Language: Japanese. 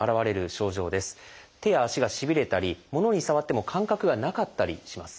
手や足がしびれたり物に触っても感覚がなかったりします。